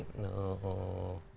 jadi memang harus diakui